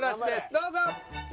どうぞ！